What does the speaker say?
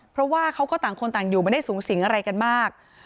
เพราะว่าเขาก็ต่างคนต่างอยู่ไม่ได้สูงสิงอะไรกันมาก